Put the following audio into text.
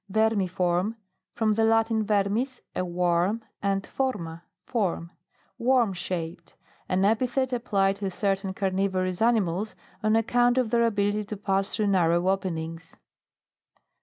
VERMIFORM. From the Latin, rermts, a worm, and/orma, form. Worm shaped. An epfthet applied to cer tain carnivorous animals, on ac count of their ability to pass through narrow openings.